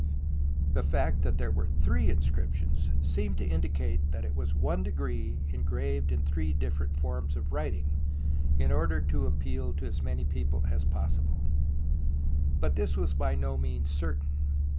The fact that there were three inscriptions seemed to indicate that it was one decree engraved in three different forms of writing in order to appeal to as many people as possible. But this was by no means certain.